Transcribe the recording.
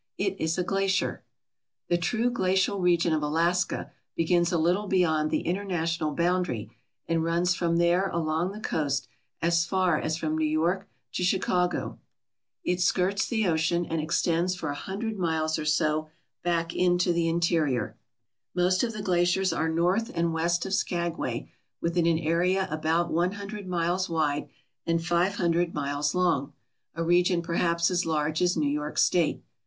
It is a glacier. The true glacial region of Alaska begins a little beyond the international boundary and runs from there along the coast as far as from New York to Chicago. It skirts 87 ALASKA OUR NORTHERN WONDERLAND the ocean and extends for a hundred miles or so back into the interior. Most of the glaciers are north and west of Skag way within an area about one hundred miles wide and five hundred miles long, a region perhaps as large as New York State.